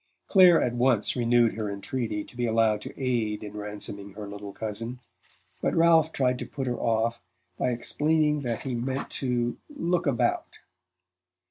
Clare at once renewed her entreaty to be allowed to aid in ransoming her little cousin, but Ralph tried to put her off by explaining that he meant to "look about."